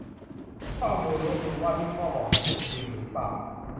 ก็เอามือล้วงดูว่าที่พ่อบอกนั้นจะจริงหรือเปล่า